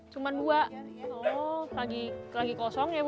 cuma dua lagi kosong ya bu